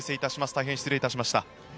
大変失礼いたしました。